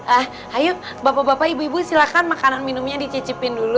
ah ayo bapak bapak ibu ibu silahkan makanan minumnya dicicipin dulu